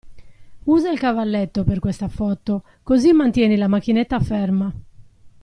Usa il cavalletto per questa foto, così mantieni la macchinetta ferma.